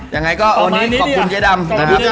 ยังไงก็ขอบคุณเจ๊ดำ